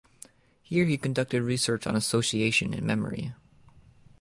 Here he conducted research on association and memory.